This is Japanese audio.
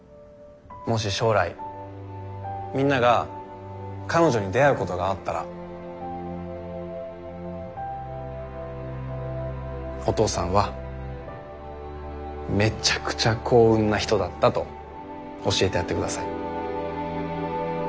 もし将来みんなが彼女に出会うことがあったらお父さんはめちゃくちゃ幸運なひとだったと教えてやってください。